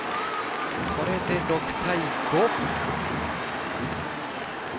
これで、６対５。